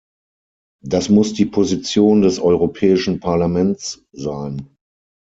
Das muss die Position des Europäischen Parlaments sein!